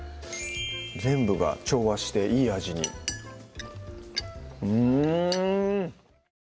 全部が調和していい味にうん！